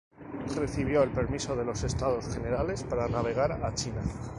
Recibió el permiso de los Estados Generales para navegar a China.